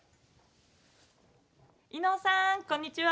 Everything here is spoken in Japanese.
伊野尾さん、こんにちは。